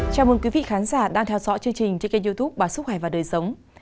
chào mừng quý vị khán giả đang theo dõi chương trình trên kênh youtube bà xúc hải và đời sống